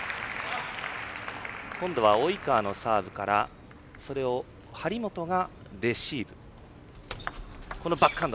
今度は及川のサーブからそれを張本がレシーブ。